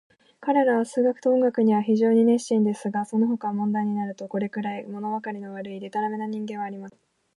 彼等は数学と音楽には非常に熱心ですが、そのほかの問題になると、これくらい、ものわかりの悪い、でたらめな人間はありません。